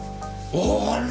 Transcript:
あら！